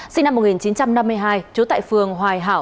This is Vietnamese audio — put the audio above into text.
sinh năm một nghìn chín trăm năm mươi hai trú tại phường hoài hảo